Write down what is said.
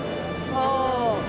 お！